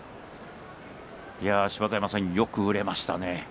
芝田山さん、よく売れましたね。